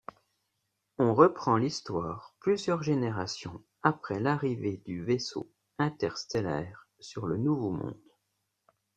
On reprend l'histoire plusieurs générations après l'arrivée du vaisseau interstellaire sur le nouveau monde.